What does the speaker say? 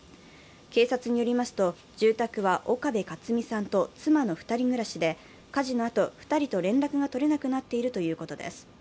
警察によりますと、住宅は岡部克己さんと妻の２人暮らしで火事のあと、２人と連絡が取れなくなっているということです。